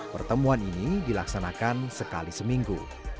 pertemuan ini dilaksanakan sekali seminggu